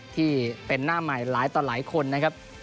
ที่เป็นหน้าใหม่หลายต่อหลายคนนะครับ